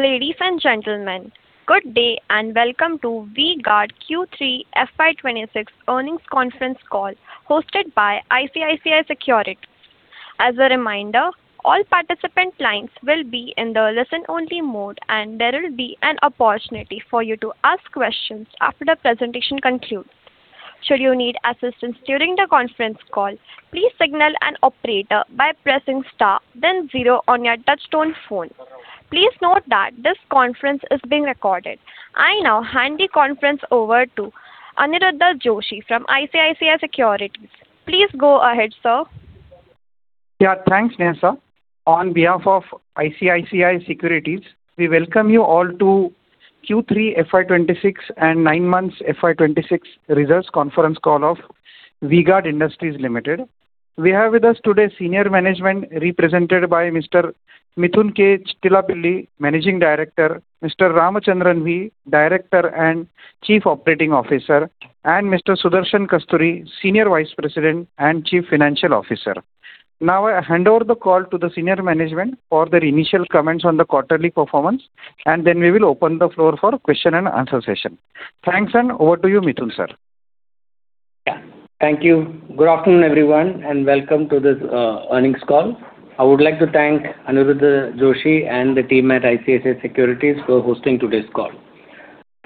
Ladies and gentlemen, good day and welcome to V-Guard Q3 FY 2026 Earnings Conference Call hosted by ICICI Securities. As a reminder, all participant lines will be in the listen-only mode, and there will be an opportunity for you to ask questions after the presentation concludes. Should you need assistance during the conference call, please signal an operator by pressing star, then zero on your touch-tone phone. Please note that this conference is being recorded. I now hand the conference over to Aniruddha Joshi from ICICI Securities. Please go ahead, sir. Yeah, thanks, Neha. On behalf of ICICI Securities, we welcome you all to Q3 FY 2026 and nine-months FY 2026 results conference call of V-Guard Industries Limited. We have with us today senior management represented by Mr. Mithun K. Chittilappilly, Managing Director, Mr. Ramachandran V., Director and Chief Operating Officer, and Mr. Sudarshan Kasturi, Senior Vice President and Chief Financial Officer. Now, I hand over the call to the senior management for their initial comments on the quarterly performance, and then we will open the floor for question and answer session. Thanks, and over to you, Mithun sir. Yeah, thank you. Good afternoon, everyone, and welcome to this earnings call. I would like to thank Aniruddha Joshi and the team at ICICI Securities for hosting today's call.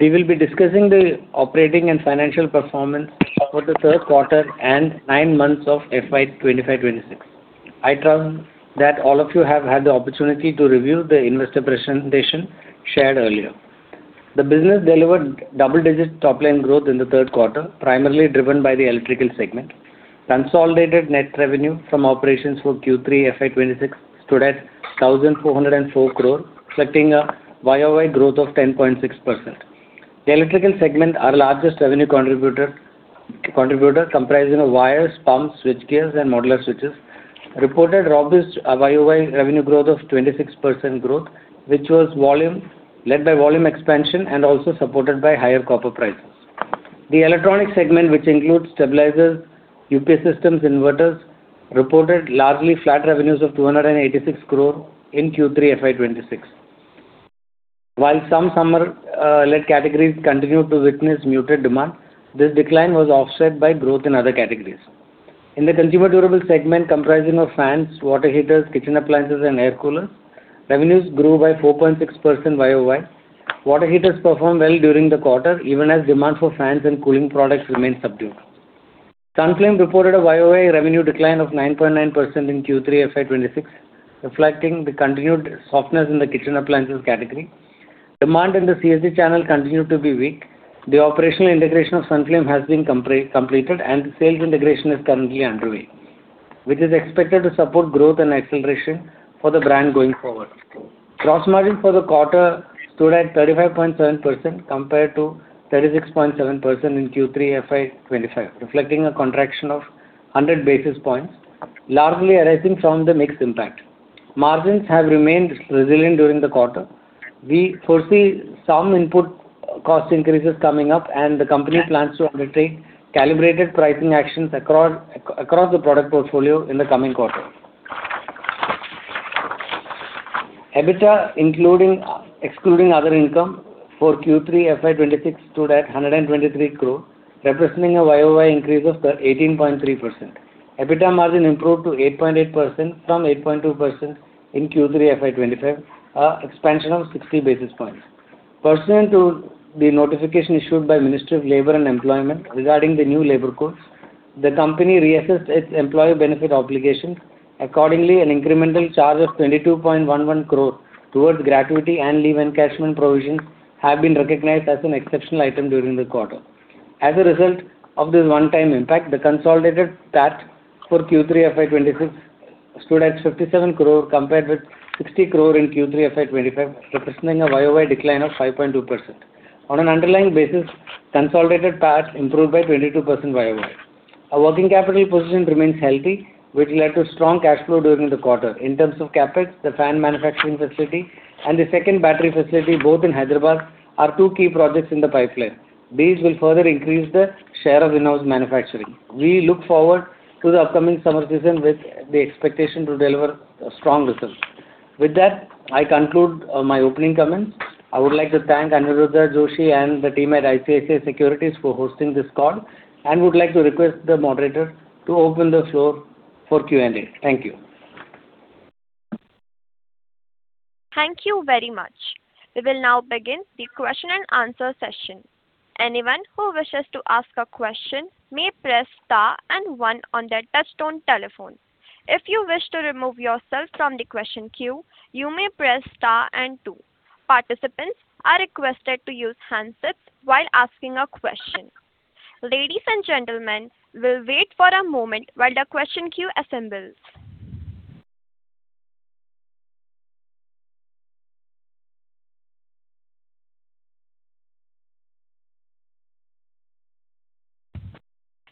We will be discussing the operating and financial performance for the third quarter and nine months of FY 2025/2026. I trust that all of you have had the opportunity to review the investor presentation shared earlier. The business delivered double-digit top-line growth in the third quarter, primarily driven by the electrical segment. Consolidated net revenue from operations for Q3 FY 2026 stood at 1,404 crore, reflecting a Y-o-Y growth of 10.6%. The electrical segment, our largest revenue contributor, comprising of wires, pumps, switchgears, and modular switches, reported robust Y-o-Y revenue growth of 26%, which was led by volume expansion and also supported by higher copper prices. The electronics segment, which includes stabilizers, UPS systems, and inverters, reported largely flat revenues of 286 crore in Q3 FY 2026. While some summer-led categories continued to witness muted demand, this decline was offset by growth in other categories. In the consumer durable segment, comprising of fans, water heaters, kitchen appliances, and air coolers, revenues grew by 4.6% Y-o-Y. Water heaters performed well during the quarter, even as demand for fans and cooling products remained subdued. Sunflame reported a Y-o-Y revenue decline of 9.9% in Q3 FY 2026, reflecting the continued softness in the kitchen appliances category. Demand in the CSD channel continued to be weak. The operational integration of Sunflame has been completed, and the sales integration is currently underway, which is expected to support growth and acceleration for the brand going forward. Gross margin for the quarter stood at 35.7% compared to 36.7% in Q3 FY 2025, reflecting a contraction of 100 basis points, largely arising from the mixed impact. Margins have remained resilient during the quarter. We foresee some input cost increases coming up, and the company plans to undertake calibrated pricing actions across the product portfolio in the coming quarter. EBITDA, excluding other income, for Q3 FY 2026 stood at 123 crore, representing a Y-o-Y increase of 18.3%. EBITDA margin improved to 8.8% from 8.2% in Q3 FY 2025, an expansion of 60 basis points. Pursuant to the notification issued by the Ministry of Labour and Employment regarding the new labour codes, the company reassessed its employee benefit obligations. Accordingly, an incremental charge of 22.11 crore towards gratuity and leave encashment provisions has been recognized as an exceptional item during the quarter. As a result of this one-time impact, the consolidated PAT for Q3 FY 2026 stood at 57 crore compared with 60 crore in Q3 FY 2025, representing a Y-o-Y decline of 5.2%. On an underlying basis, consolidated PAT improved by 22% Y-o-Y. Our working capital position remains healthy, which led to strong cash flow during the quarter. In terms of CapEx, the fan manufacturing facility and the second battery facility, both in Hyderabad, are two key projects in the pipeline. These will further increase the share of in-house manufacturing. We look forward to the upcoming summer season with the expectation to deliver strong results. With that, I conclude my opening comments. I would like to thank Aniruddha Joshi and the team at ICICI Securities for hosting this call and would like to request the moderator to open the floor for Q&A. Thank you. Thank you very much. We will now begin the question-and-answer session. Anyone who wishes to ask a question may press star and one on their touch-tone telephone. If you wish to remove yourself from the question queue, you may press star and two. Participants are requested to use handsets while asking a question. Ladies and gentlemen, we'll wait for a moment while the question queue assembles.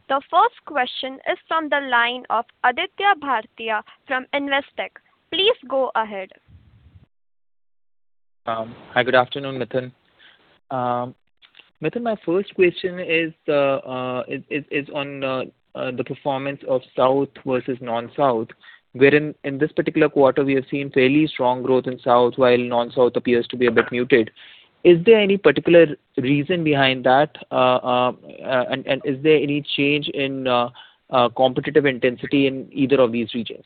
The first question is from the line of Aditya Bhartia from Investec. Please go ahead. Hi, good afternoon, Mithun. Mithun, my first question is on the performance of South versus Non-South, where in this particular quarter we have seen fairly strong growth in South, while Non-South appears to be a bit muted. Is there any particular reason behind that, and is there any change in competitive intensity in either of these regions?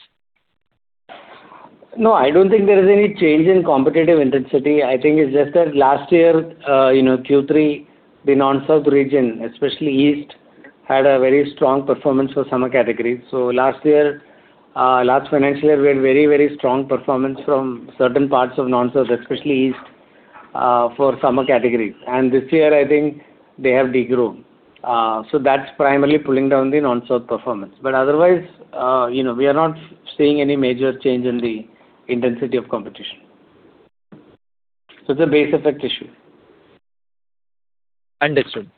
No, I don't think there is any change in competitive intensity. I think it's just that last year, Q3, the Non-South region, especially East, had a very strong performance for summer categories. So last year, last financial year, we had very, very strong performance from certain parts of Non-South, especially East, for summer categories. And this year, I think they have degrown. So that's primarily pulling down the Non-South performance. But otherwise, we are not seeing any major change in the intensity of competition. So it's a base effect issue. Understood.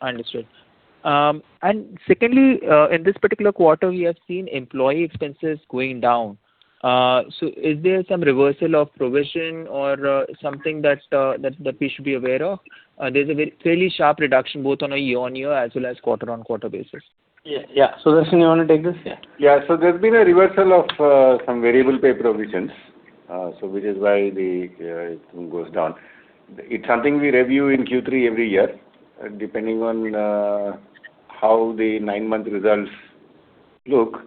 And secondly, in this particular quarter, we have seen employee expenses going down. So is there some reversal of provision or something that we should be aware of? There's a fairly sharp reduction both on a year-over-year as well as quarter-over-quarter basis. Yeah. Sudarshan, you want to take this? Yeah. Yeah. So there's been a reversal of some variable pay provisions, which is why the goes down. It's something we review in Q3 every year. Depending on how the nine-month results look,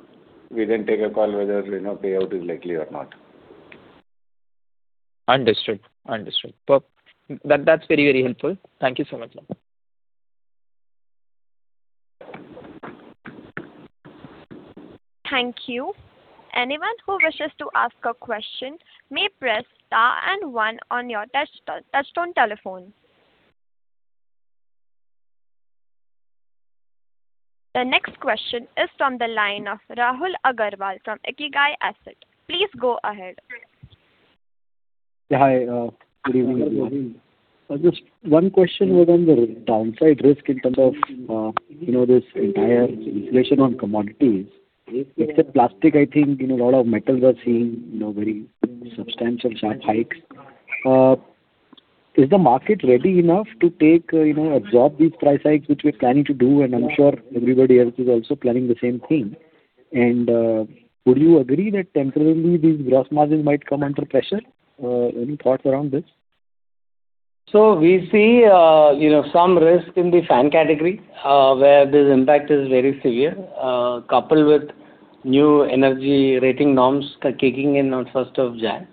we then take a call whether payout is likely or not. Understood. Understood. That's very, very helpful. Thank you so much. Thank you. Anyone who wishes to ask a question may press star and one on your touch-tone telephone. The next question is from the line of Rahul Agarwal from Ikigai Asset. Please go ahead. Yeah. Hi. Good evening. Just one question was on the downside risk in terms of this entire inflation on commodities. It's a plastic, I think, a lot of metals are seeing very substantial sharp hikes. Is the market ready enough to take, absorb these price hikes, which we're planning to do? And I'm sure everybody else is also planning the same thing. And would you agree that temporarily these gross margins might come under pressure? Any thoughts around this? So we see some risk in the fan category where this impact is very severe, coupled with new energy rating norms kicking in on 1st of January.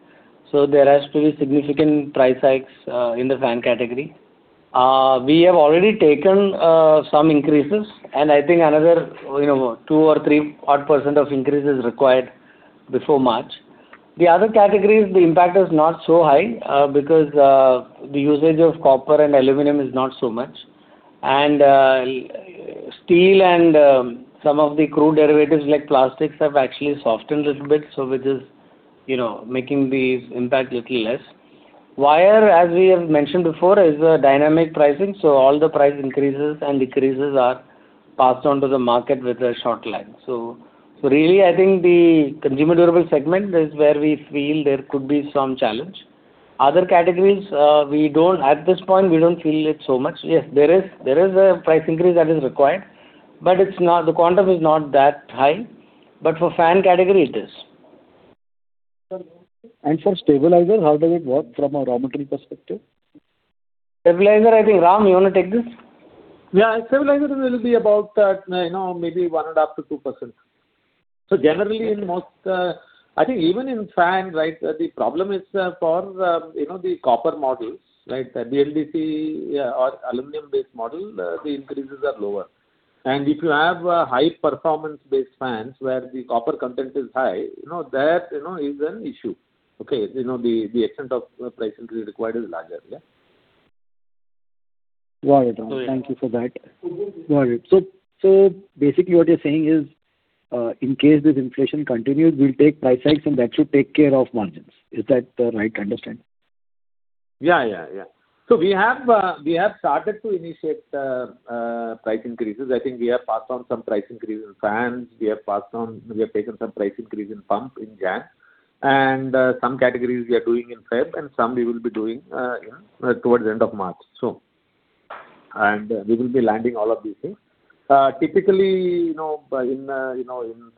So there has to be significant price hikes in the fan category. We have already taken some increases, and I think another 2% or 3%-odd of increases required before March. The other categories, the impact is not so high because the usage of copper and aluminum is not so much. Steel and some of the crude derivatives like plastics have actually softened a little bit, so which is making the impact a little less. Wire, as we have mentioned before, is a dynamic pricing. So really, I think the consumer durable segment is where we feel there could be some challenge. Other categories, at this point, we don't feel it so much. Yes, there is a price increase that is required, but the quantum is not that high. But for fan category, it is. For stabilizer, how does it work from a raw material perspective? Stabilizer, I think. Ram, you want to take this? Yeah. Stabilizer is a little bit about maybe 1.5%-2%. So generally, I think even in fan, right, the problem is for the copper models, right, the BLDC or aluminum-based model, the increases are lower. And if you have high-performance-based fans where the copper content is high, that is an issue. Okay. The extent of price increase required is larger. Got it, Ram. Thank you for that. Got it. So basically, what you're saying is, in case this inflation continues, we'll take price hikes, and that should take care of margins. Is that the right understanding? Yeah. So we have started to initiate price increases. I think we have passed on some price increase in fans. We have passed on we have taken some price increase in pump in January. And some categories we are doing in February, and some we will be doing towards the end of March, soon. And we will be landing all of these things. Typically, in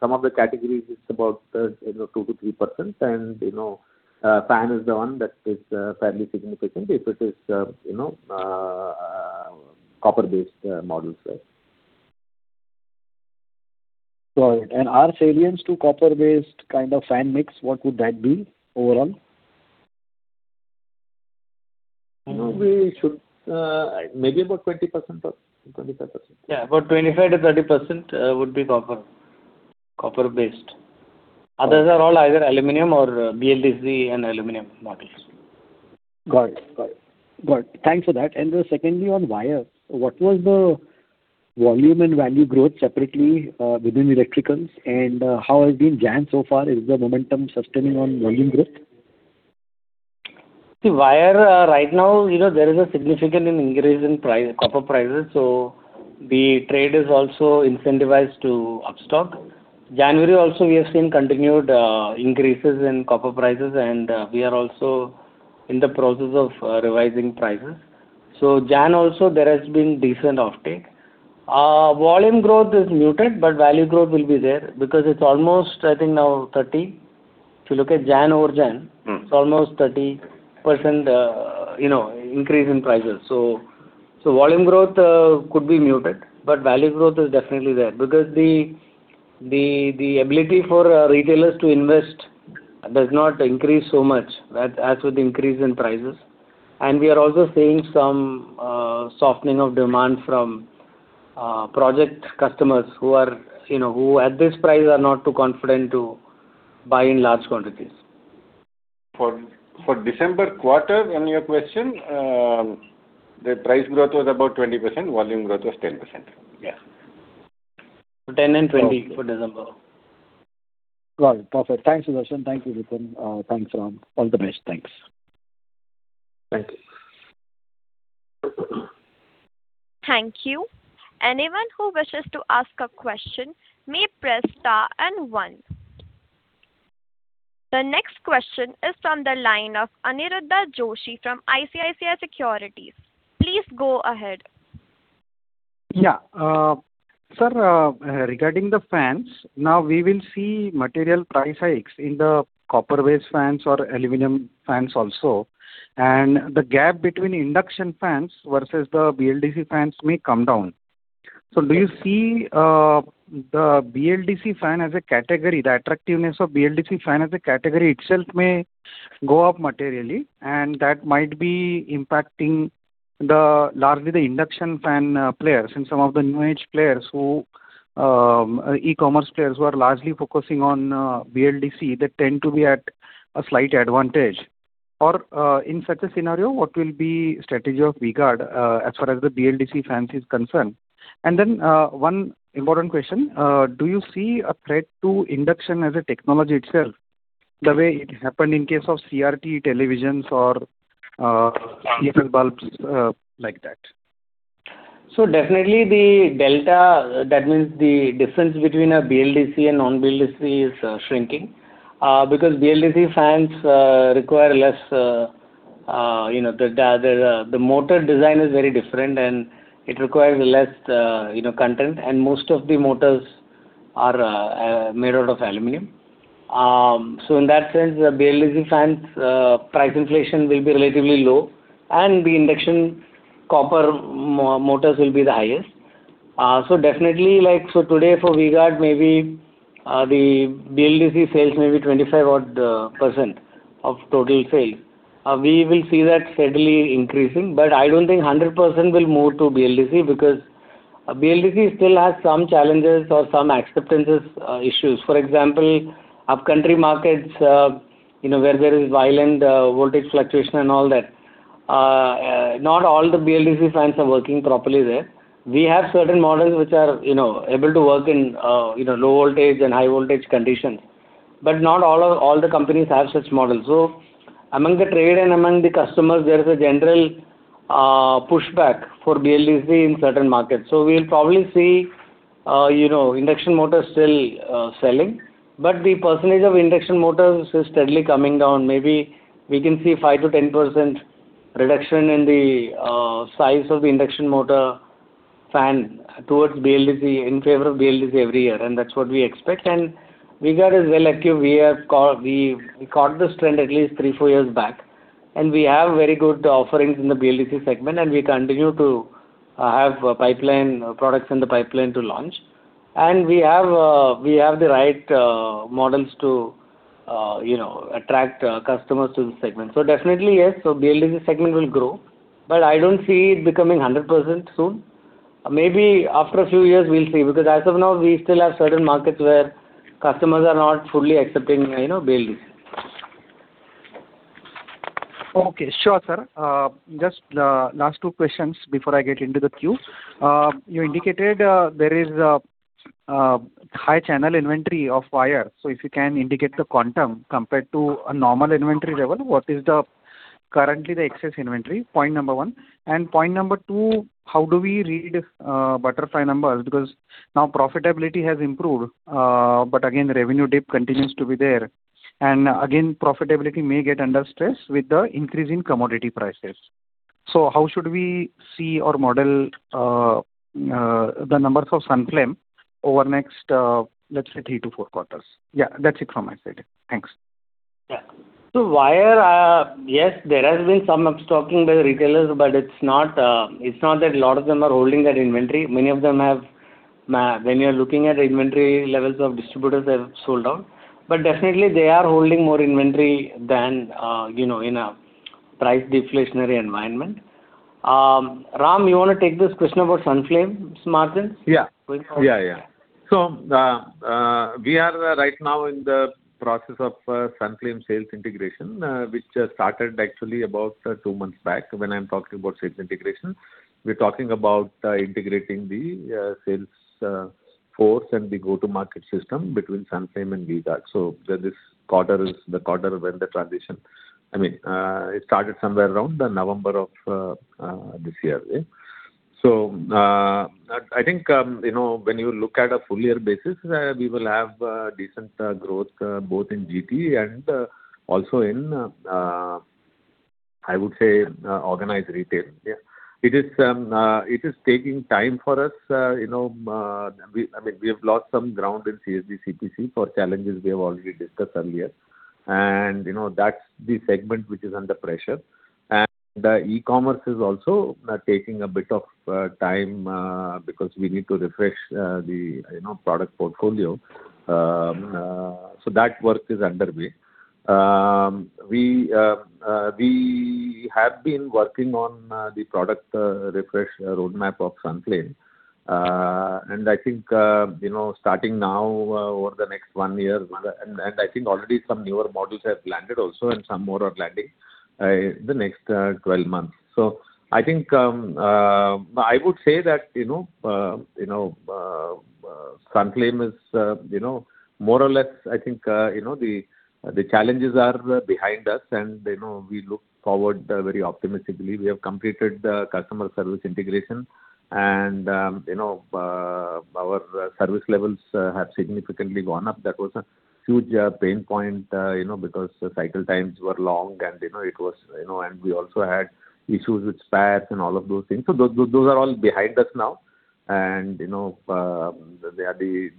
some of the categories, it's about 2%-3%, and fan is the one that is fairly significant if it is copper-based models, right? Got it. Our salience to copper-based kind of fan mix, what would that be overall? Maybe about 20% or 25%. Yeah. About 25%-30% would be copper-based. Others are all either aluminum or BLDC and aluminum models. Got it. Thanks for that. And secondly, on wires, what was the volume and value growth separately within electricals, and how has been January so far? Is the momentum sustaining on volume growth? The wire, right now, there is a significant increase in copper prices. So the trade is also incentivized to upstock. January also, we have seen continued increases in copper prices, and we are also in the process of revising prices. So January also, there has been decent offtake. Volume growth is muted, but value growth will be there because it's almost, I think now, 30%. If you look at January over January, it's almost 30% increase in prices. So volume growth could be muted, but value growth is definitely there because the ability for retailers to invest does not increase so much as with the increase in prices. And we are also seeing some softening of demand from project customers who at this price are not too confident to buy in large quantities. For December quarter, on your question, the price growth was about 20%. Volume growth was 10%. 10% and 20% for December. Got it. Perfect. Thanks, Sudarshan. Thank you, Mithun. Thanks, Ram. All the best. Thanks. Thank you. Thank you. Anyone who wishes to ask a question may press star and one. The next question is from the line of Aniruddha Joshi from ICICI Securities. Please go ahead. Yeah. Sir, regarding the fans, now we will see material price hikes in the copper-based fans or aluminum fans also. And the gap between induction fans versus the BLDC fans may come down. So do you see the BLDC fan as a category, the attractiveness of BLDC fan as a category itself may go up materially, and that might be impacting largely the induction fan players and some of the new age players who e-commerce players who are largely focusing on BLDC that tend to be at a slight advantage. Or in such a scenario, what will be the strategy of V-Guard as far as the BLDC fan is concerned? And then one important question, do you see a threat to induction as a technology itself the way it happened in case of CRT televisions or CFL bulbs like that? So definitely, the delta, that means the difference between a BLDC and non-BLDC is shrinking because BLDC fans require less. The motor design is very different, and it requires less content. And most of the motors are made out of aluminum. So in that sense, the BLDC fan price inflation will be relatively low, and the induction copper motors will be the highest. So definitely, so today for V-Guard, maybe the BLDC sales may be 25% of total sales. We will see that steadily increasing, but I don't think 100% will move to BLDC because BLDC still has some challenges or some acceptance issues. For example, upcountry markets where there is violent voltage fluctuation and all that, not all the BLDC fans are working properly there. We have certain models which are able to work in low voltage and high voltage conditions, but not all the companies have such models. So among the trade and among the customers, there is a general pushback for BLDC in certain markets. So we'll probably see induction motors still selling, but the percentage of induction motors is steadily coming down. Maybe we can see 5%-10% reduction in the size of the induction motor fan towards BLDC in favor of BLDC every year. And that's what we expect. And V-Guard is well active. We caught this trend at least three, four years back, and we have very good offerings in the BLDC segment, and we continue to have products in the pipeline to launch. And we have the right models to attract customers to the segment. So definitely, yes. So BLDC segment will grow, but I don't see it becoming 100% soon. Maybe after a few years, we'll see because as of now, we still have certain markets where customers are not fully accepting BLDC. Okay. Sure, sir. Just last two questions before I get into the queue. You indicated there is a high channel inventory of wire. So if you can indicate the quantum compared to a normal inventory level, what is currently the excess inventory? Point number one. And point number two, how do we read butterfly numbers? Because now profitability has improved, but again, the revenue dip continues to be there. And again, profitability may get under stress with the increase in commodity prices. So how should we see or model the numbers of Sunflame over next, let's say, three to four quarters? Yeah. That's it from my side. Thanks. Yeah. So wire, yes, there has been some upstocking by the retailers, but it's not that a lot of them are holding that inventory. Many of them have, when you're looking at inventory levels of distributors, they have sold out. But definitely, they are holding more inventory than in a price deflationary environment. Ram, you want to take this question about Sunflame's margins? Yeah. So we are right now in the process of Sunflame sales integration, which started actually about two months back when I'm talking about sales integration. We're talking about integrating the sales force and the go-to-market system between Sunflame and V-Guard. So this quarter is the quarter when the transition, I mean, it started somewhere around November of this year. So I think when you look at a full-year basis, we will have decent growth both in GT and also in, I would say, organized retail. Yeah. It is taking time for us. I mean, we have lost some ground in CSD, CPC for challenges we have already discussed earlier. And that's the segment which is under pressure. And e-commerce is also taking a bit of time because we need to refresh the product portfolio. So that work is underway. We have been working on the product refresh roadmap of Sunflame. I think starting now over the next one year, and I think already some newer models have landed also, and some more are landing in the next 12 months. I think I would say that Sunflame is more or less, I think the challenges are behind us, and we look forward very optimistically. We have completed the customer service integration, and our service levels have significantly gone up. That was a huge pain point because cycle times were long, and it was, and we also had issues with spares and all of those things. Those are all behind us now. The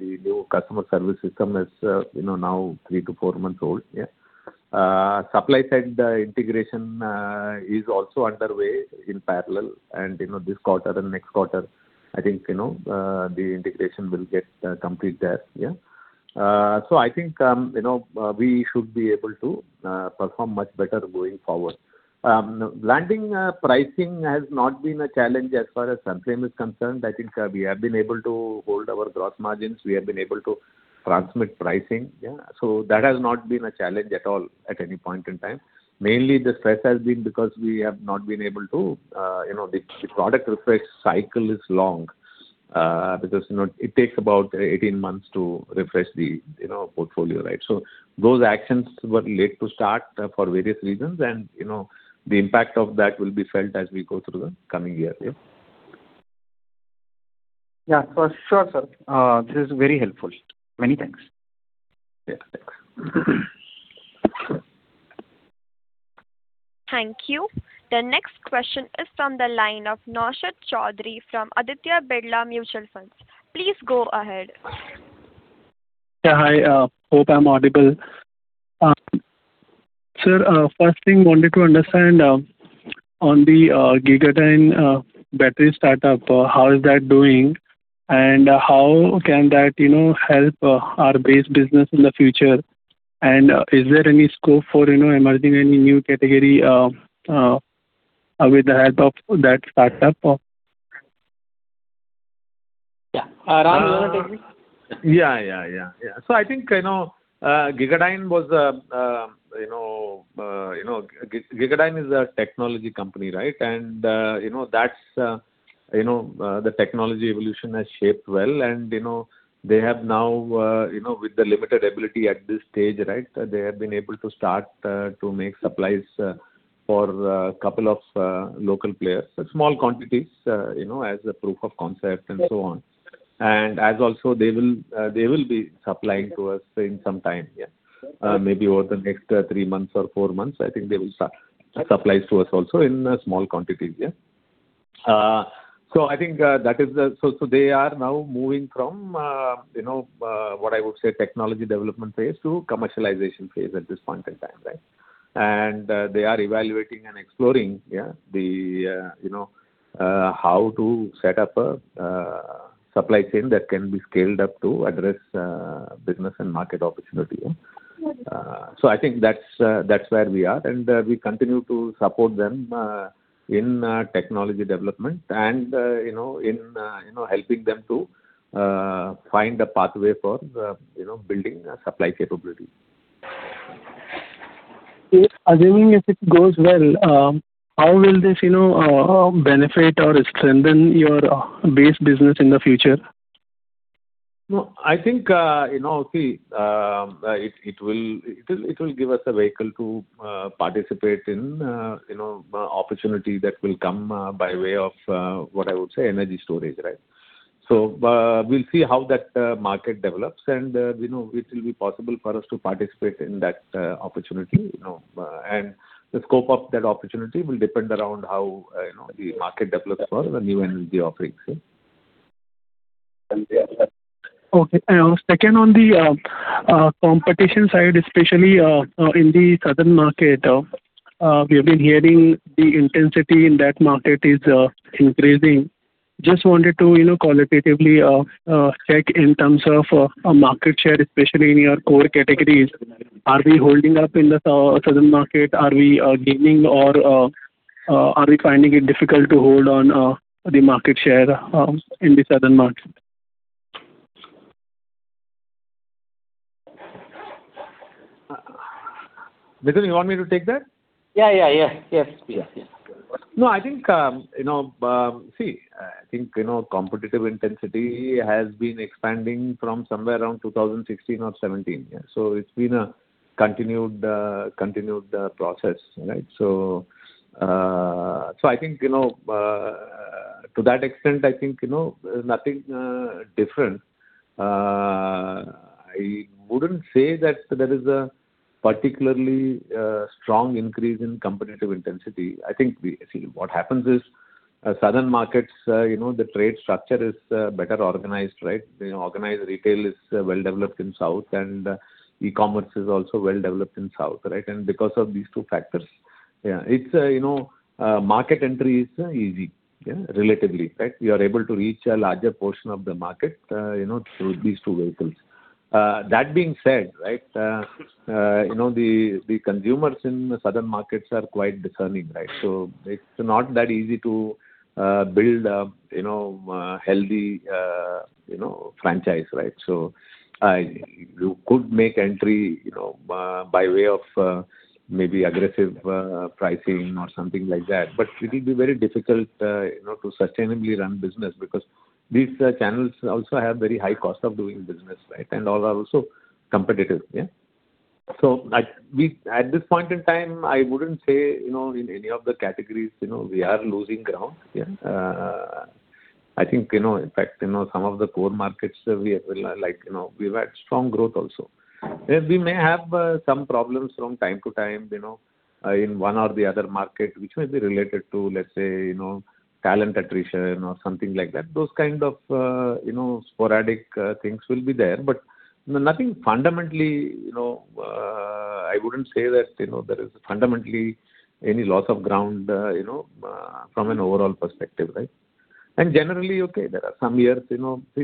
new customer service system is now three to four months old. Yeah. Supply-side integration is also underway in parallel. This quarter and next quarter, I think the integration will get complete there. So I think we should be able to perform much better going forward. Landing pricing has not been a challenge as far as Sunflame is concerned. I think we have been able to hold our gross margins. We have been able to transmit pricing. So that has not been a challenge at all at any point in time. Mainly, the stress has been because we have not been able to, the product refresh cycle is long because it takes about 18 months to refresh the portfolio, right? So those actions were late to start for various reasons, and the impact of that will be felt as we go through the coming year. Yeah. For sure, sir. This is very helpful. Many thanks. Yeah. Thanks. Thank you. The next question is from the line of Naushad Chaudhary from Aditya Birla Mutual Fund. Please go ahead. Yeah. Hi. Hope I'm audible. Sir, first thing wanted to understand on the Gegadyne battery startup, how is that doing, and how can that help our base business in the future? And is there any scope for emerging any new category with the help of that startup? Yeah. Ram, you want to take this? Yeah. So I think Gegadyne was a Gegadyne is a technology company, right? And that's the technology evolution has shaped well. And they have now, with the limited ability at this stage, right, they have been able to start to make supplies for a couple of local players, small quantities as a proof of concept and so on. And also, they will be supplying to us in some time. Yeah. Maybe over the next three months or four months, I think they will start supplies to us also in small quantities. Yeah. So I think that is the so they are now moving from what I would say technology development phase to commercialization phase at this point in time, right? And they are evaluating and exploring, yeah, how to set up a supply chain that can be scaled up to address business and market opportunity. I think that's where we are, and we continue to support them in technology development and in helping them to find a pathway for building a supply capability. Assuming if it goes well, how will this benefit or strengthen your base business in the future? I think, see, it will give us a vehicle to participate in opportunity that will come by way of what I would say energy storage, right? So we'll see how that market develops, and it will be possible for us to participate in that opportunity. And the scope of that opportunity will depend around how the market develops for the new energy offerings. Okay. And second, on the competition side, especially in the southern market, we have been hearing the intensity in that market is increasing. Just wanted to qualitatively check in terms of market share, especially in your core categories. Are we holding up in the southern market? Are we gaining, or are we finding it difficult to hold on the market share in the southern market? Mithun, you want me to take that? Yeah. No, I think, see, I think competitive intensity has been expanding from somewhere around 2016 or 2017. Yeah. So it's been a continued process, right? So I think to that extent, I think nothing different. I wouldn't say that there is a particularly strong increase in competitive intensity. I think what happens is southern markets, the trade structure is better organized, right? Organized retail is well developed in South, and e-commerce is also well developed in South, right? And because of these two factors, yeah, market entry is easy, yeah, relatively, right? You are able to reach a larger portion of the market through these two vehicles. That being said, right, the consumers in the southern markets are quite discerning, right? So it's not that easy to build a healthy franchise, right? So you could make entry by way of maybe aggressive pricing or something like that, but it will be very difficult to sustainably run business because these channels also have very high cost of doing business, right? And all are also competitive. So at this point in time, I wouldn't say in any of the categories we are losing ground. I think, in fact, some of the core markets we have had strong growth also. We may have some problems from time to time in one or the other market, which may be related to, let's say, talent attrition or something like that. Those kind of sporadic things will be there, but nothing fundamentally. I wouldn't say that there is fundamentally any loss of ground from an overall perspective, right? Generally, okay, there are some years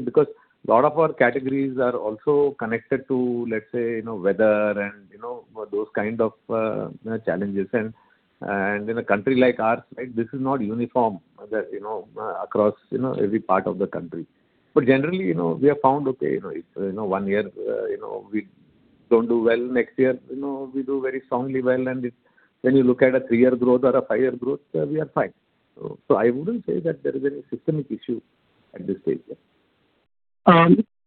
because a lot of our categories are also connected to, let's say, weather and those kind of challenges. In a country like ours, right, this is not uniform across every part of the country. But generally, we have found, okay, if one year we don't do well, next year we do very strongly well. And when you look at a three-year growth or a five-year growth, we are fine. So I wouldn't say that there is any systemic issue at this stage.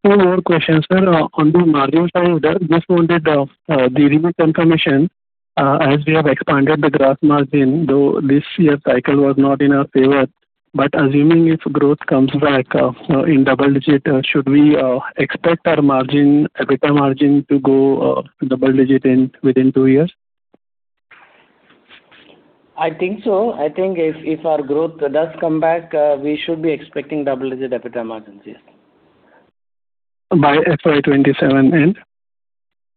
Two more questions, sir. On the margin side, just wanted the recent information as we have expanded the gross margin, though this year's cycle was not in our favor. But assuming if growth comes back in double digit, should we expect our margin, EBITDA margin, to go double digit within two years? I think so. I think if our growth does come back, we should be expecting double digit EBITDA margins, yes. By FY 2027 end?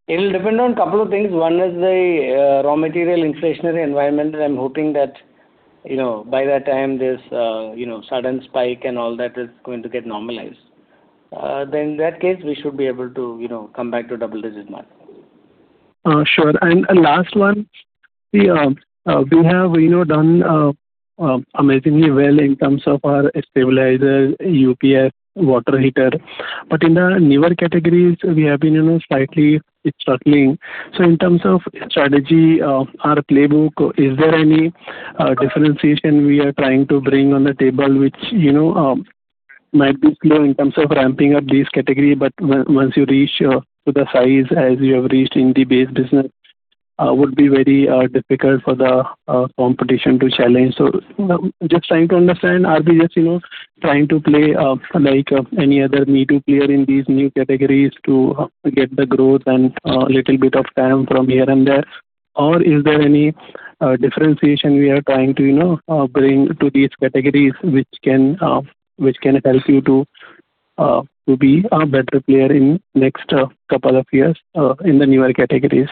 It will depend on a couple of things. One is the raw material inflationary environment. I'm hoping that by that time, this sudden spike and all that is going to get normalized. Then in that case, we should be able to come back to double-digit margin. Sure. And last one, we have done amazingly well in terms of our stabilizer, UPS, water heater. But in the newer categories, we have been slightly struggling. So in terms of strategy, our playbook, is there any differentiation we are trying to bring on the table, which might be slow in terms of ramping up these categories? But once you reach to the size as you have reached in the base business, it would be very difficult for the competition to challenge. So just trying to understand, are we just trying to play like any other me-too player in these new categories to get the growth and a little bit of time from here and there? Or is there any differentiation we are trying to bring to these categories which can help you to be a better player in the next couple of years in the newer categories?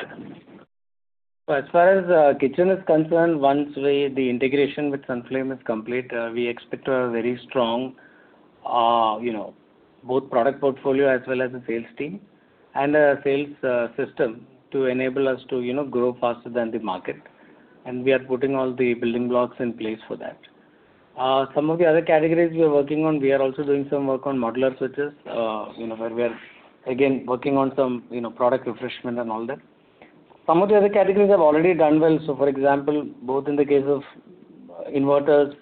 As far as kitchen is concerned, once the integration with Sunflame is complete, we expect a very strong both product portfolio as well as the sales team and the sales system to enable us to grow faster than the market. We are putting all the building blocks in place for that. Some of the other categories we are working on, we are also doing some work on modular switches where we are, again, working on some product refreshment and all that. Some of the other categories have already done well. For example, both in the case of inverters,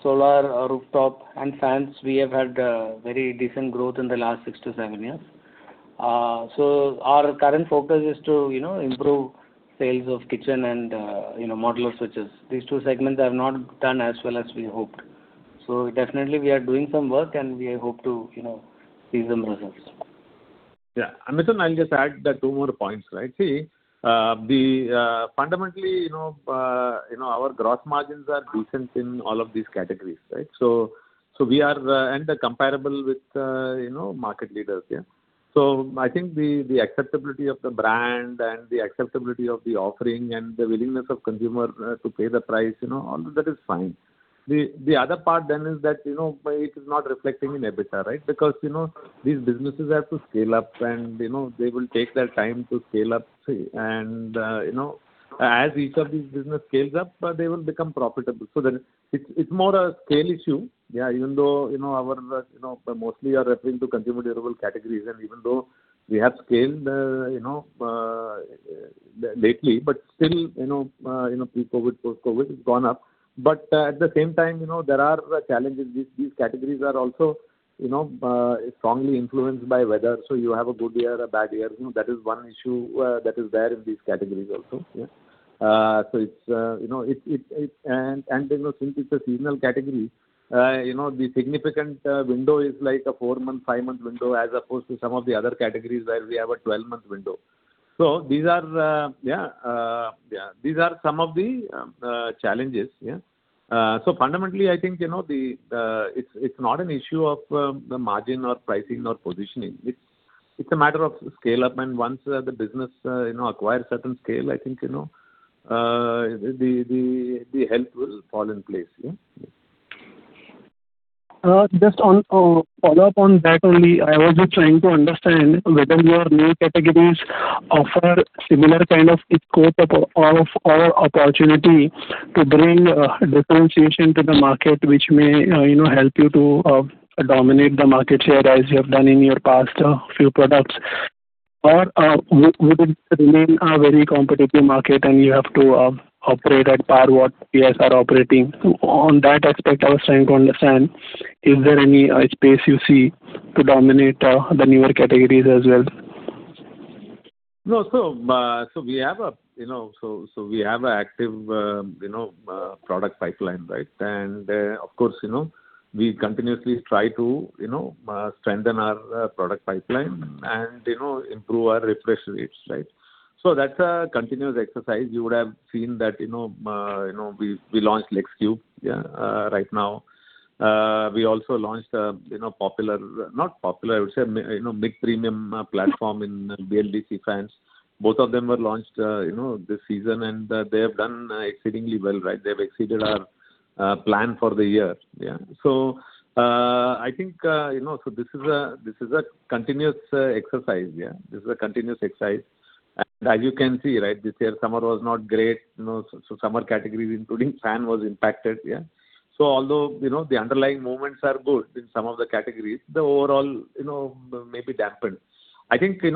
solar, rooftop, and fans, we have had very decent growth in the last six-seven years. Our current focus is to improve sales of kitchen and modular switches. These two segments have not done as well as we hoped. Definitely, we are doing some work, and we hope to see some results. Yeah. And listen, I'll just add two more points, right? See, fundamentally, our gross margins are decent in all of these categories, right? So we are comparable with market leaders. Yeah. So I think the acceptability of the brand and the acceptability of the offering and the willingness of consumer to pay the price, all of that is fine. The other part then is that it is not reflecting in EBITDA, right? Because these businesses have to scale up, and they will take their time to scale up. And as each of these businesses scales up, they will become profitable. So it's more a scale issue. Even though mostly you are referring to consumer durable categories, and even though we have scaled lately, but still, pre-COVID, post-COVID, it's gone up. But at the same time, there are challenges. These categories are also strongly influenced by weather. So you have a good year, a bad year. That is one issue that is there in these categories also. Yeah. So it's and since it's a seasonal category, the significant window is like a four-month, five-month window as opposed to some of the other categories where we have a 12-month window. So these are some of the challenges. So fundamentally, I think it's not an issue of the margin or pricing or positioning. It's a matter of scale up. And once the business acquires certain scale, I think the health will fall in place. Yeah. Just on follow-up on that only, I was just trying to understand whether your new categories offer similar kind of scope of opportunity to bring differentiation to the market, which may help you to dominate the market share as you have done in your past few products. Or would it remain a very competitive market, and you have to operate at par what you guys are operating? So on that aspect, I was trying to understand, is there any space you see to dominate the newer categories as well? No. So we have an active product pipeline, right? And of course, we continuously try to strengthen our product pipeline and improve our refresh rates, right? So that's a continuous exercise. You would have seen that we launched Luxecube. Yeah. Right now, we also launched a popular, not popular, I would say, mid-premium platform in BLDC fans. Both of them were launched this season, and they have done exceedingly well, right? They have exceeded our plan for the year. So this is a continuous exercise. Yeah. This is a continuous exercise. And as you can see, right, this year, summer was not great. So summer categories, including fan, were impacted. Yeah. So although the underlying movements are good in some of the categories, the overall may be dampened. I think this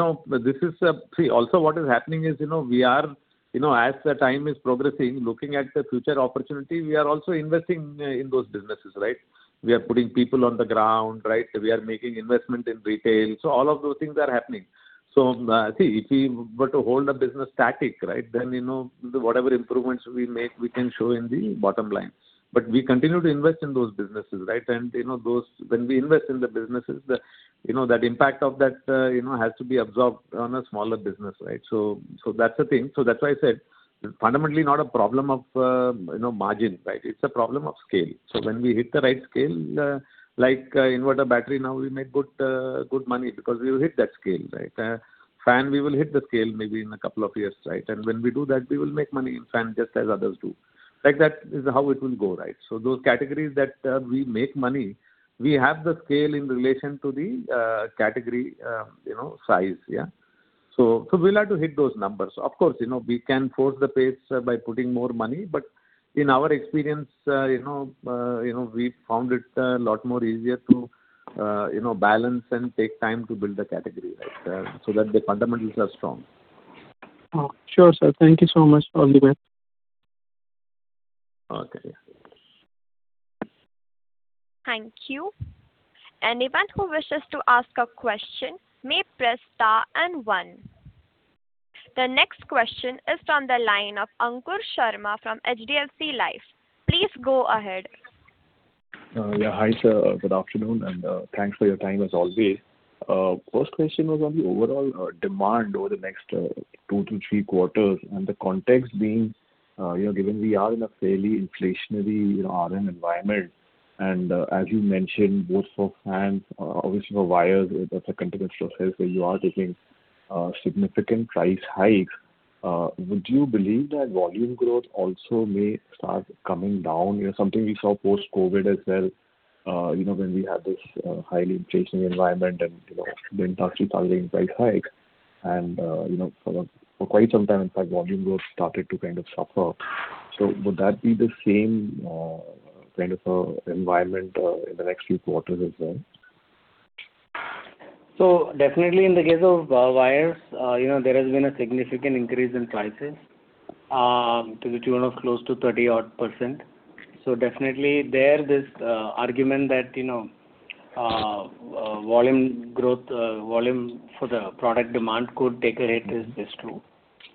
is, see, also what is happening is we are, as the time is progressing, looking at the future opportunity, we are also investing in those businesses, right? We are putting people on the ground, right? We are making investment in retail. So all of those things are happening. So see, if we were to hold a business static, right, then whatever improvements we make, we can show in the bottom line. But we continue to invest in those businesses, right? And when we invest in the businesses, that impact of that has to be absorbed on a smaller business, right? So that's the thing. So that's why I said, fundamentally, not a problem of margin, right? It's a problem of scale. So when we hit the right scale, like inverter battery, now we make good money because we will hit that scale, right? Fan, we will hit the scale maybe in a couple of years, right? When we do that, we will make money in fan just as others do. That is how it will go, right? Those categories that we make money, we have the scale in relation to the category size. We'll have to hit those numbers. Of course, we can force the pace by putting more money, but in our experience, we found it a lot more easier to balance and take time to build the category, right, so that the fundamentals are strong. Sure, sir. Thank you so much for all the. Okay. Thank you. Anyone who wishes to ask a question may press star and one. The next question is from the line of Ankur Sharma from HDFC Life. Please go ahead. Yeah. Hi, sir. Good afternoon, and thanks for your time as always. First question was on the overall demand over the next two to three quarters. And the context being, given we are in a fairly inflationary RM environment, and as you mentioned, both for fans, obviously, for wires, that's a continuous process where you are taking significant price hikes. Would you believe that volume growth also may start coming down? Something we saw post-COVID as well when we had this highly inflationary environment and the industry tolerating price hikes. And for quite some time, in fact, volume growth started to kind of suffer. So would that be the same kind of environment in the next few quarters as well? So definitely, in the case of wires, there has been a significant increase in prices to the tune of close to 30%-odd. So definitely, there this argument that volume growth, volume for the product demand could take a hit is true.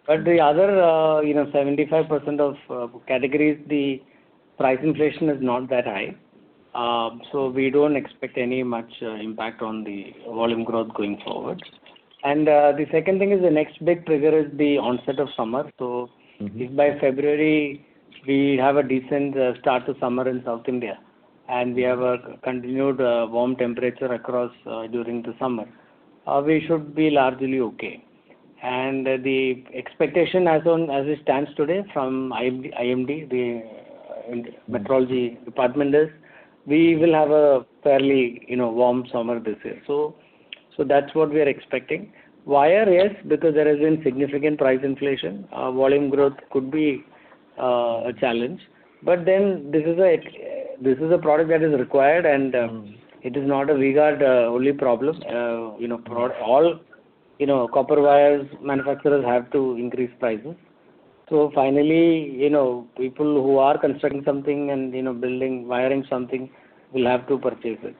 But the other 75% of categories, the price inflation is not that high. So we don't expect any much impact on the volume growth going forward. And the second thing is the next big trigger is the onset of summer. So if by February, we have a decent start to summer in South India and we have a continued warm temperature across during the summer, we should be largely okay. And the expectation as it stands today from IMD, the meteorology department, is we will have a fairly warm summer this year. So that's what we are expecting. Wire, yes, because there has been significant price inflation. Volume growth could be a challenge. But then this is a product that is required, and it is not a V-Guard-only problem. All copper wires manufacturers have to increase prices. So finally, people who are constructing something and building wiring something will have to purchase it.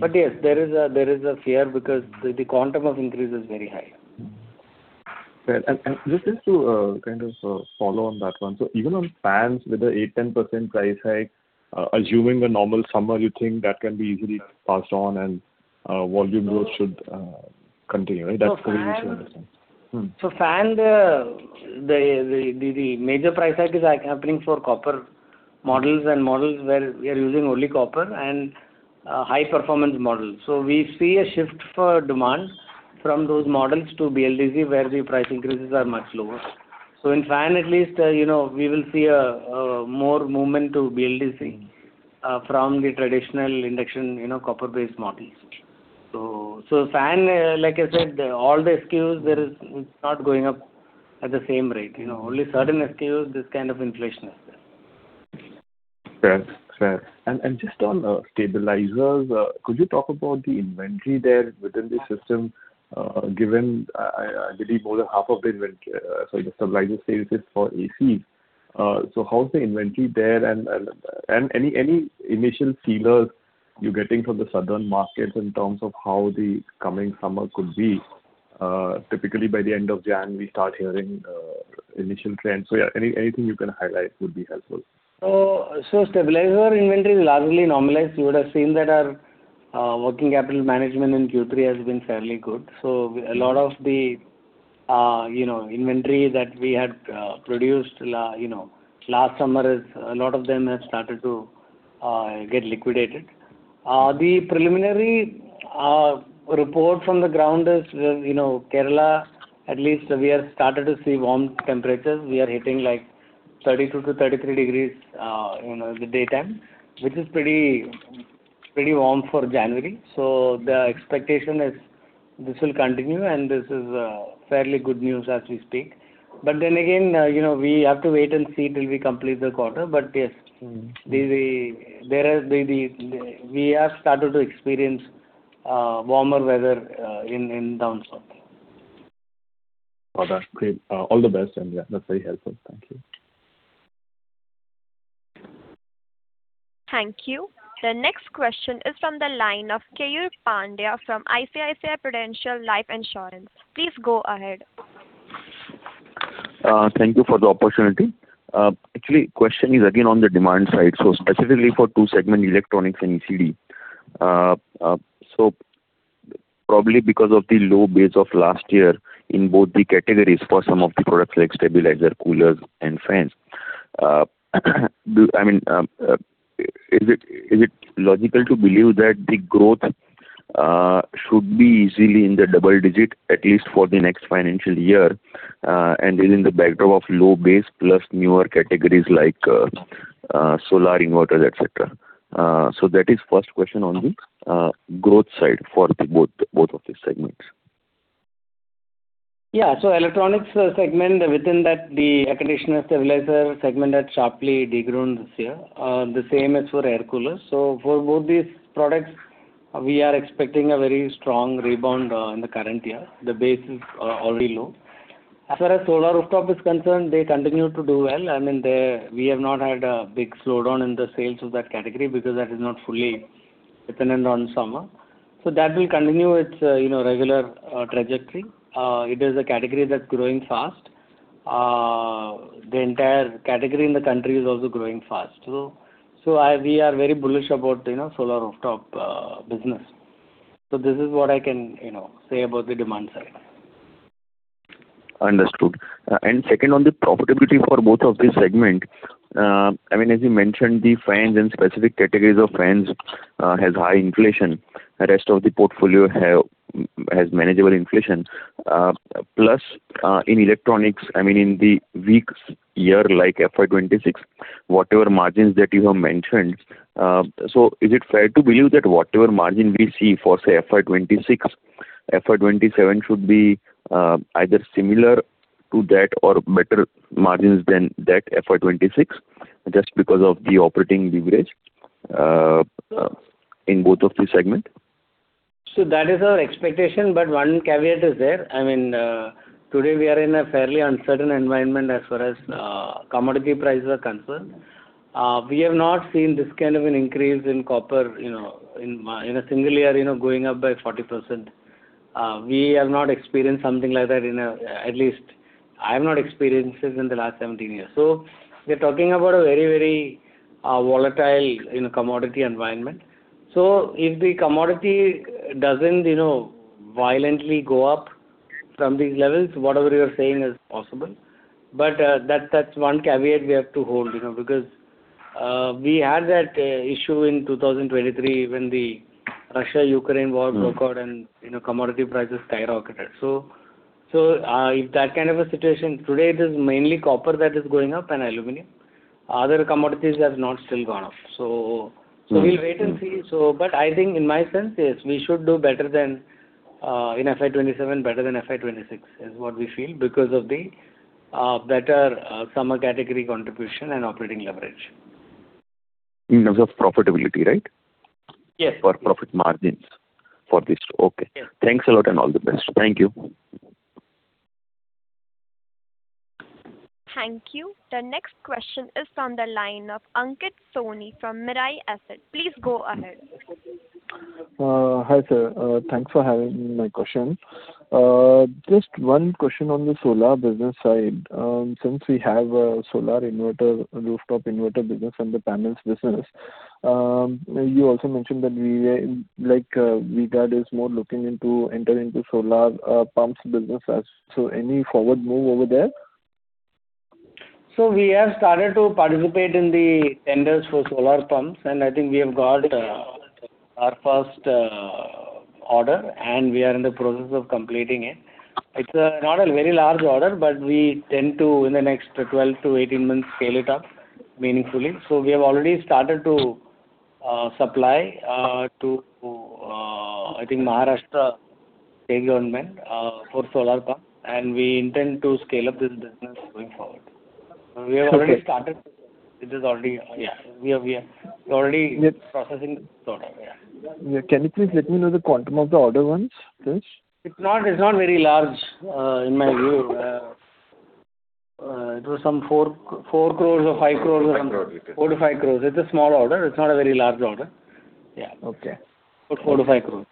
But yes, there is a fear because the quantum of increase is very high. Just to kind of follow on that one, so even on fans with an 8%-10% price hike, assuming a normal summer, you think that can be easily passed on and volume growth should continue, right? That's the way you should understand. So, fan, the major price hike is happening for copper models and models where we are using only copper and high-performance models. So we see a shift for demand from those models to BLDC where the price increases are much lower. So in fan, at least, we will see more movement to BLDC from the traditional induction copper-based models. So fan, like I said, all the SKUs, it's not going up at the same rate. Only certain SKUs, this kind of inflation is there. Fair. And just on stabilizers, could you talk about the inventory there within the system, given I believe more than half of the inventory, sorry, the supply sales for ACs? So how's the inventory there and any initial feelers you're getting from the southern markets in terms of how the coming summer could be? Typically, by the end of January, we start hearing initial trends. So yeah, anything you can highlight would be helpful. So stabilizer inventory is largely normalized. You would have seen that our working capital management in Q3 has been fairly good. So a lot of the inventory that we had produced last summer, a lot of them have started to get liquidated. The preliminary report from the ground is Kerala, at least we have started to see warm temperatures. We are hitting like 32-33 degrees in the daytime, which is pretty warm for January. So the expectation is this will continue, and this is fairly good news as we speak. But then again, we have to wait and see till we complete the quarter. But yes, we have started to experience warmer weather in down south. All right. Great. All the best, and yeah, that's very helpful. Thank you. Thank you. The next question is from the line of Keyur Pandya from ICICI Prudential Life Insurance. Please go ahead. Thank you for the opportunity. Actually, the question is again on the demand side. So specifically for two-segment electronics and ECD. So probably because of the low base of last year in both the categories for some of the products like stabilizer, coolers, and fans, I mean, is it logical to believe that the growth should be easily in the double digit, at least for the next financial year, and is in the backdrop of low base plus newer categories like solar, inverter, etc.? So that is the first question on the growth side for both of these segments. Yeah. So electronics segment, within that, the air conditioner stabilizer segment had sharply de-grown this year. The same is for air coolers. So for both these products, we are expecting a very strong rebound in the current year. The base is already low. As far as solar rooftop is concerned, they continue to do well. I mean, we have not had a big slowdown in the sales of that category because that is not fully dependent on summer. So that will continue its regular trajectory. It is a category that's growing fast. The entire category in the country is also growing fast. So we are very bullish about solar rooftop business. So this is what I can say about the demand side. Understood. And second, on the profitability for both of these segments, I mean, as you mentioned, the fans and specific categories of fans have high inflation. The rest of the portfolio has manageable inflation. Plus, in electronics, I mean, in the weak year like FY 2026, whatever margins that you have mentioned, so is it fair to believe that whatever margin we see for, say, FY 2026, FY 2027 should be either similar to that or better margins than that FY 2026 just because of the operating leverage in both of these segments? So that is our expectation. But one caveat is there. I mean, today, we are in a fairly uncertain environment as far as commodity prices are concerned. We have not seen this kind of an increase in copper in a single year going up by 40%. We have not experienced something like that in a, at least, I have not experienced it in the last 17 years. So we are talking about a very, very volatile commodity environment. So if the commodity doesn't violently go up from these levels, whatever you're saying is possible. But that's one caveat we have to hold because we had that issue in 2023 when the Russia-Ukraine war broke out and commodity prices skyrocketed. So if that kind of a situation, today, it is mainly copper that is going up and aluminum. Other commodities have not still gone up. So we'll wait and see. I think, in my sense, yes, we should do better than in FY 2027, better than FY 2026, is what we feel because of the better summer category contribution and operating leverage. In terms of profitability, right? Yes. Or profit margins for this. Okay. Thanks a lot and all the best. Thank you. Thank you. The next question is from the line of Ankit Soni from Mirae Asset. Please go ahead. Hi, sir. Thanks for having my question. Just one question on the solar business side. Since we have a solar inverter rooftop inverter business and the panels business, you also mentioned that V-Guard is more looking into entering into solar pumps business. So any forward move over there? So we have started to participate in the tenders for solar pumps, and I think we have got our first order, and we are in the process of completing it. It's not a very large order, but we tend to, in the next 12-18 months, scale it up meaningfully. So we have already started to supply to, I think, Maharashtra state government for solar pumps, and we intend to scale up this business going forward. We have already started. It is already, yeah, we are already processing this order. Yeah. Yeah. Can you please let me know the quantum of the order once? It's not very large in my view. It was some 4 crore or 5 crore, around 4 crore-5 crore. It's a small order. It's not a very large order. Okay. 4 crore-5 crore.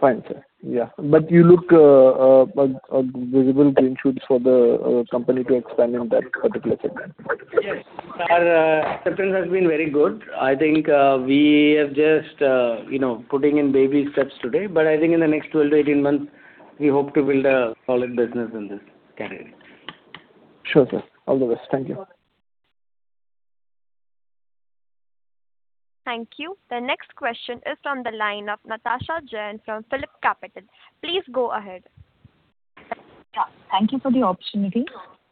Fine, sir. Yeah. But you look a visible green shoots for the company to expand in that particular segment. Yes. Our acceptance has been very good. I think we're just putting in baby steps today. I think in the next 12-18 months, we hope to build a solid business in this category. Sure, sir. All the best. Thank you. Thank you. The next question is from the line of Natasha Jain from PhillipCapital. Please go ahead. Yeah. Thank you for the opportunity.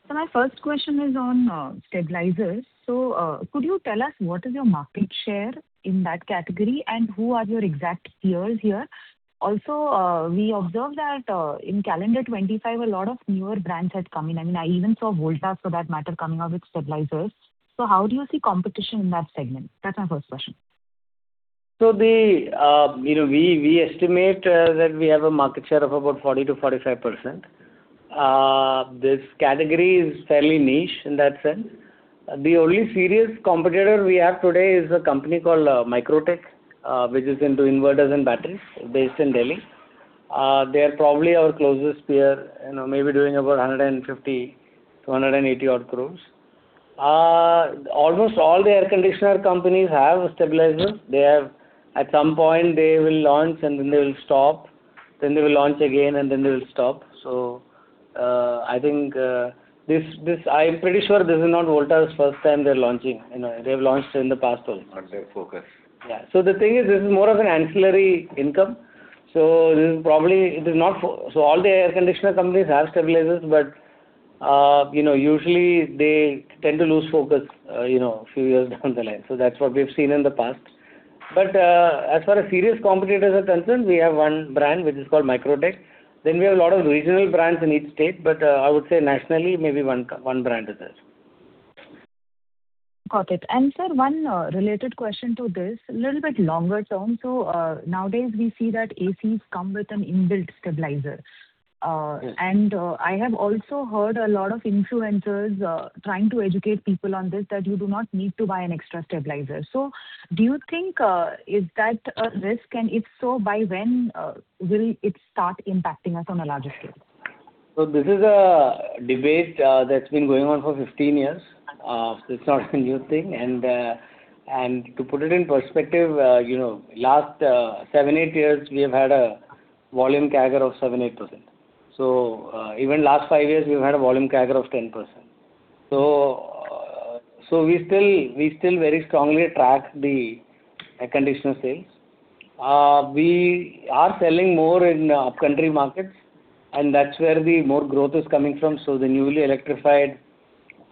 So my first question is on stabilizers. So could you tell us what is your market share in that category and who are your exact peers here? Also, we observed that in calendar 2025, a lot of newer brands had come in. I mean, I even saw Voltas, for that matter, coming up with stabilizers. So how do you see competition in that segment? That's my first question. So we estimate that we have a market share of about 40%-45%. This category is fairly niche in that sense. The only serious competitor we have today is a company called Microtek, which is into inverters and batteries based in Delhi. They are probably our closest peer, maybe doing about 150 crore-180 crore-odd. Almost all the air conditioner companies have stabilizers. At some point, they will launch, and then they will stop. Then they will launch again, and then they will stop. So I think I'm pretty sure this is not Voltas's first time they're launching. They've launched in the past also. Not their focus. Yeah. So the thing is, this is more of an ancillary income. So probably it is not so all the air conditioner companies have stabilizers, but usually, they tend to lose focus a few years down the line. So that's what we've seen in the past. But as far as serious competitors are concerned, we have one brand, which is called Microtek. Then we have a lot of regional brands in each state, but I would say nationally, maybe one brand is there. Got it. And, sir, one related question to this, a little bit longer term. So nowadays, we see that ACs come with an inbuilt stabilizer. And I have also heard a lot of influencers trying to educate people on this that you do not need to buy an extra stabilizer. So do you think is that a risk? And if so, by when will it start impacting us on a larger scale? So this is a debate that's been going on for 15 years. It's not a new thing. And to put it in perspective, last seven-eight years, we have had a volume CAGR of 7%-8%. So even last five years, we've had a volume CAGR of 10%. So we still very strongly track the air conditioner sales. We are selling more in upcountry markets, and that's where the more growth is coming from. So the newly electrified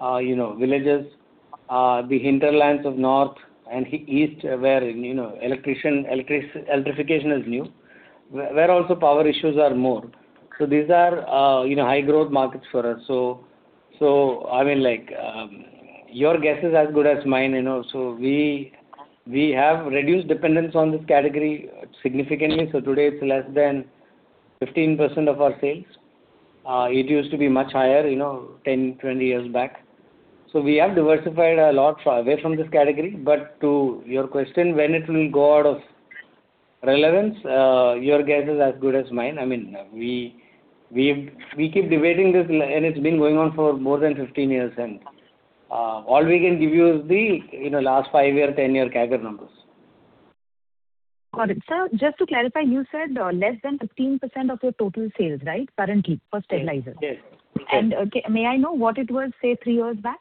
villages, the hinterlands of north and east where electricity electrification is new, where also power issues are more. So these are high-growth markets for us. So I mean, your guess is as good as mine. So we have reduced dependence on this category significantly. So today, it's less than 15% of our sales. It used to be much higher 10-20 years back. We have diversified a lot away from this category. To your question, when it will go out of relevance, your guess is as good as mine. I mean, we keep debating this, and it's been going on for more than 15 years. All we can give you is the last 5-year, 10-year CAGR numbers. Got it. So just to clarify, you said less than 15% of your total sales, right, currently for stabilizers? Yes. May I know what it was, say, three years back?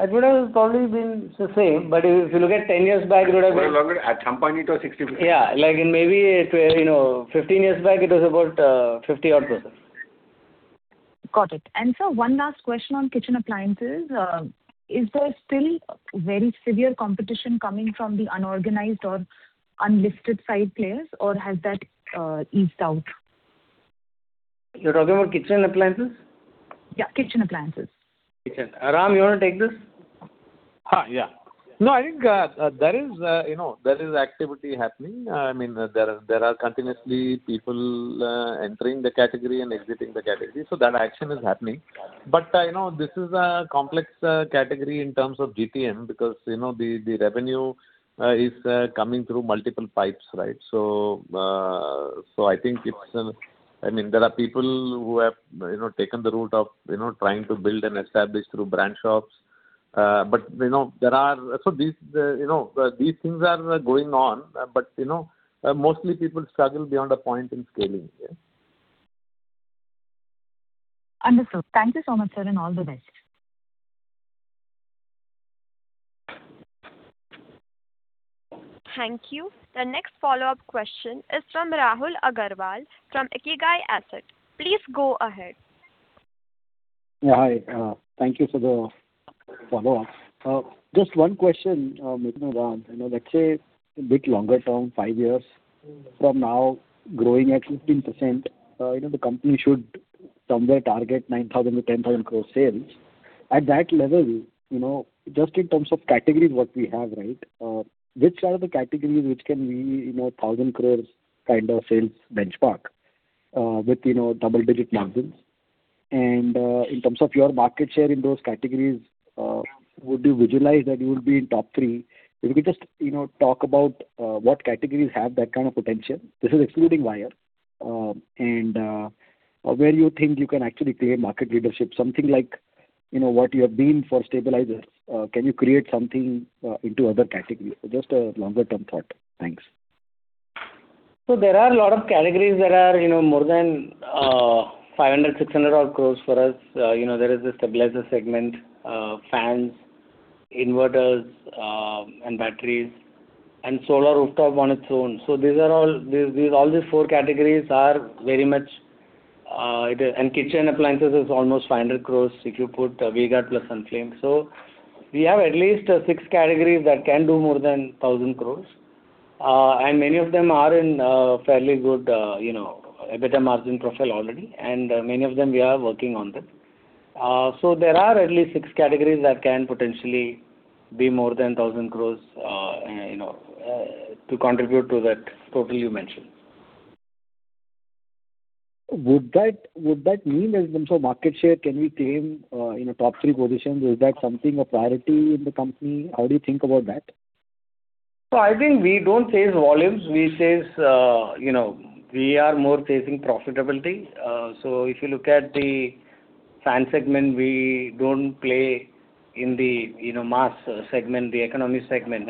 It would have probably been the same. But if you look at 10 years back, it would have been. No, no, no. At some point, it was 60%. Yeah. Maybe 15 years back, it was about 50%-odd. Got it. And, sir, one last question on kitchen appliances. Is there still very severe competition coming from the unorganized or unlisted side players, or has that eased out? You're talking about kitchen appliances? Yeah, Kitchen Appliances. Kitchen? Ram, you want to take this? Hi, yeah. No, I think that is activity happening. I mean, there are continuously people entering the category and exiting the category. So that action is happening. But this is a complex category in terms of GTM because the revenue is coming through multiple pipes, right? So I think it's. I mean, there are people who have taken the route of trying to build and establish through brand shops. But there are so these things are going on, but mostly people struggle beyond a point in scaling. Understood. Thank you so much, sir, and all the best. Thank you. The next follow-up question is from Rahul Agarwal from Ikigai Asset. Please go ahead. Yeah. Hi. Thank you for the follow-up. Just one question, Mr. Ram. Let's say a bit longer term, five years from now, growing at 15%, the company should somewhere target 9,000 crore-10,000 crore sales. At that level, just in terms of categories what we have, right, which are the categories which can be 1,000 crore kind of sales benchmark with double-digit margins? And in terms of your market share in those categories, would you visualize that you would be in top three? If you could just talk about what categories have that kind of potential. This is excluding wire. And where do you think you can actually claim market leadership? Something like what you have been for stabilizers. Can you create something into other categories? Just a longer-term thought. Thanks. So there are a lot of categories that are more than 500 crores, 600 crores-odd for us. There is the stabilizer segment, fans, inverters, and batteries, and solar rooftop on its own. So all these four categories are very much and kitchen appliances is almost 500 crores if you put V-Guard + Sunflame. So we have at least six categories that can do more than 1,000 crores. And many of them are in fairly good EBITDA margin profile already. And many of them we are working on them. So there are at least six categories that can potentially be more than 1,000 crores to contribute to that total you mentioned. Would that mean in terms of market share, can we claim top three positions? Is that something a priority in the company? How do you think about that? So I think we don't chase volumes. We chase, we are more chasing profitability. So if you look at the fan segment, we don't play in the mass segment, the economy segment.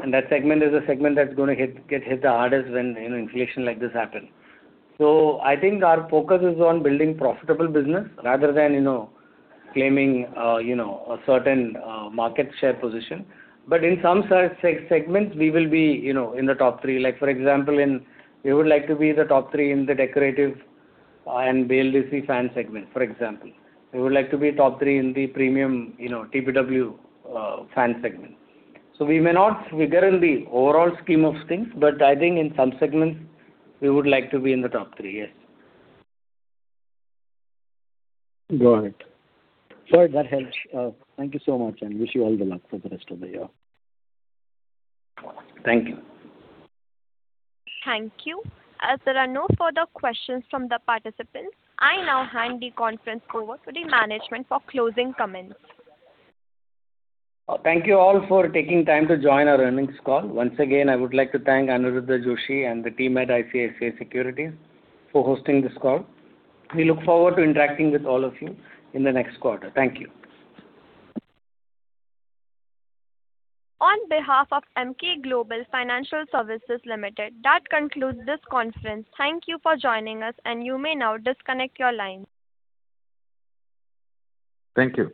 And that segment is a segment that's going to get hit the hardest when inflation like this happens. So I think our focus is on building profitable business rather than claiming a certain market share position. But in some segments, we will be in the top three. For example, we would like to be the top three in the decorative and BLDC fan segment, for example. We would like to be top three in the premium TPW fan segment. So we may not figure in the overall scheme of things, but I think in some segments, we would like to be in the top three, yes. Got it. All right. That helps. Thank you so much, and wish you all the luck for the rest of the year. Thank you. Thank you. As there are no further questions from the participants, I now hand the conference over to the management for closing comments. Thank you all for taking time to join our earnings call. Once again, I would like to thank Aniruddha Joshi and the team at ICICI Securities for hosting this call. We look forward to interacting with all of you in the next quarter. Thank you. On behalf of Emkay Global Financial Services Ltd, that concludes this conference. Thank you for joining us, and you may now disconnect your line. Thank you.